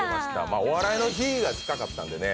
「お笑いの日」が近かったんでね